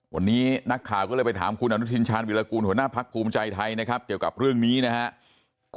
วันนี้นักข่าวก็เลยไปถามคุณอนุทินชาญวิรากูลหัวหน้าพักภูมิใจไทยนะครับเกี่ยวกับเรื่องนี้นะครับ